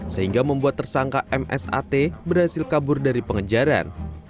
sehingga membuat tersangka msat berhasil kabur dari pengejaran